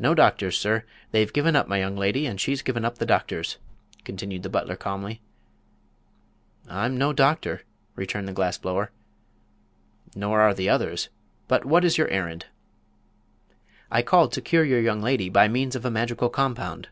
"No doctors, sir; they've given up my young lady, and she's given up the doctors," continued the butler, calmly. "I'm no doctor," returned the glass blower. "Nor are the others. But what is your errand?" "I called to cure your young lady by means of a magical compound."